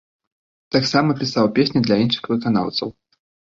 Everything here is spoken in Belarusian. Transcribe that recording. Таксама пісаў песні для іншых выканаўцаў.